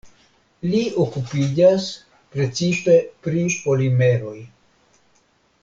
Li okupiĝas precipe pri polimeroj.